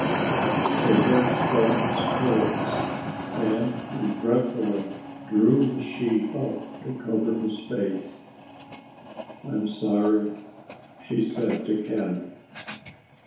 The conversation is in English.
The nurse felt his pulse and regretfully drew the sheet up to cover his face. "I'm sorry," she said to Ken.